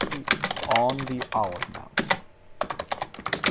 ON THE OLIVE MOUNT.